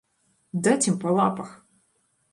Даць ім па лапах!